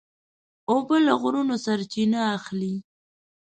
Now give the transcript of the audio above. اوبه له غرونو سرچینه اخلي.